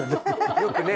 よくね